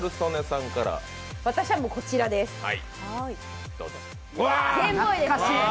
私はこちらです。